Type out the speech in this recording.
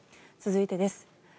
続いてです。